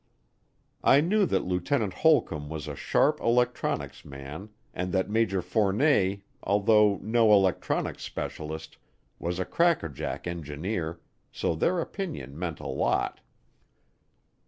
I knew that Lieutenant Holcomb was a sharp electronics man and that Major Fournet, although no electronics specialist, was a crackerjack engineer, so their opinion meant a lot.